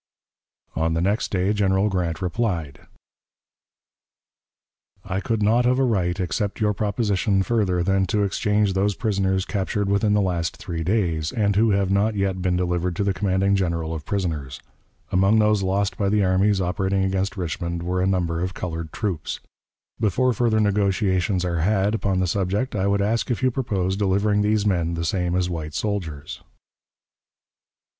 On the next day General Grant replied: "I could not of a right accept your proposition further than to exchange those prisoners captured within the last three days, and who have not yet been delivered to the commanding General of prisoners. Among those lost by the armies operating against Richmond were a number of colored troops. Before further negotiations are had upon the subject, I would ask if you propose delivering these men the same as white soldiers."